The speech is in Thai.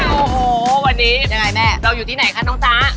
โอ้โหวันนี้อย่างไรแม่เดี่ยงอยู่ที่ไหนคะน้องจ๊า